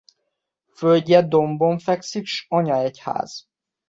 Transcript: Földje dombon fekszik s anyaegyház.